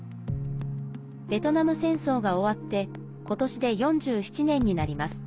ベトナム戦争が終わって今年で４７年になります。